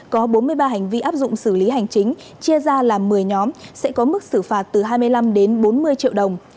có bốn mươi ba hành vi áp dụng xử lý hành chính chia ra là một mươi nhóm sẽ có mức xử phạt từ hai mươi năm đến bốn mươi triệu đồng